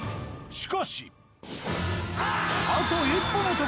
しかしあ！